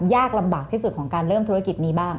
ยากลำบากที่สุดของการเริ่มธุรกิจนี้บ้าง